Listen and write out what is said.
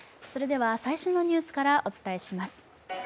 最新のニュースからお伝えします。